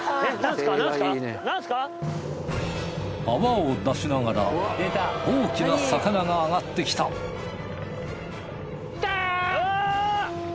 泡を出しながら大きな魚が上がってきた来た！